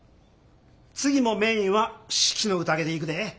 次もメインは「四季の宴」でいくで。